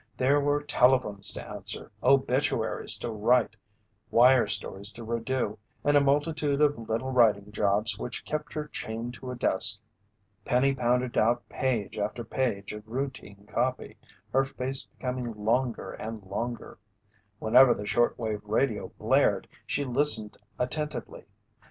There were telephones to answer, obituaries to write, wire stories to redo, and a multitude of little writing jobs which kept her chained to a desk. Penny pounded out page after page of routine copy, her face becoming longer and longer. Whenever the shortwave radio blared, she listened attentively.